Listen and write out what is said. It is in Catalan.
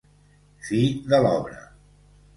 Fi de l'obra.